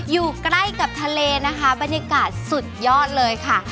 อยู่ใกล้กับทะเลนะคะบรรยากาศสุดยอดเลยค่ะ